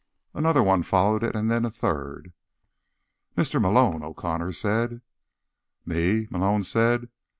Another one followed it, and then a third. "Mr. Malone," O'Connor said. "Me?" Malone said.